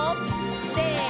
せの！